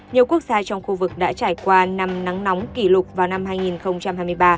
nhiều quốc gia trong khu vực đã trải qua năm nắng nóng kỷ lục vào năm hai nghìn hai mươi ba